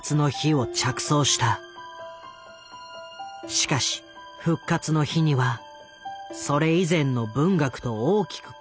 しかし「復活の日」にはそれ以前の文学と大きく異なる点がある。